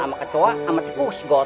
sama kecoa sama tipu segot